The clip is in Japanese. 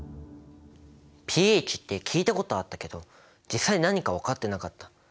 ｐＨって聞いたことはあったけど実際何か分かってなかった。